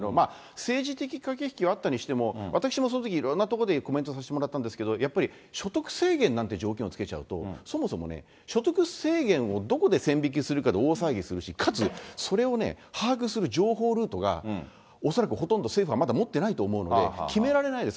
政治的駆け引きはあったにしても、私もそのとき、いろんなところでコメントさせてもらったんですけど、やっぱり所得制限なんて条件をつけちゃうと、そもそもね、所得制限をどこで線引きするかで大騒ぎするし、かつそれを把握する情報ルートが恐らくほとんど、政府はまだ持ってないと思うので、決められないです。